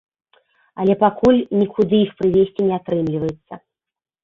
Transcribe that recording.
Але пакуль нікуды іх прывезці не атрымліваецца.